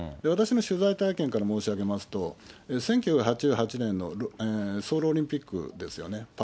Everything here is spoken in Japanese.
私の取材体験から申し上げますと、１９８８年のソウルオリンピックですよね。